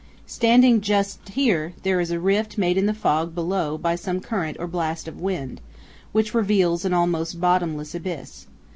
Standing just here, there is a rift made in the fog below by some current or blast of wind, which reveals an almost bottomless abyss.